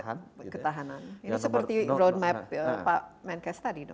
ketahanan ini seperti road map pak menkes tadi dong